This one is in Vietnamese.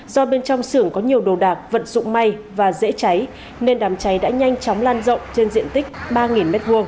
do bên trong xưởng có nhiều đồ đạc vật dụng may và dễ cháy nên đám cháy đã nhanh chóng lan rộng trên diện tích ba m hai